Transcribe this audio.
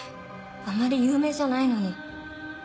あまり有名じゃないのに。